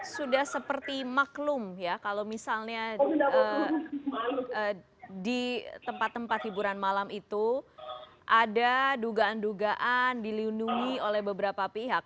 sudah seperti maklum ya kalau misalnya di tempat tempat hiburan malam itu ada dugaan dugaan dilindungi oleh beberapa pihak